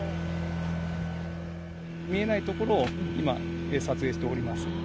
見えない所を今、撮影しております。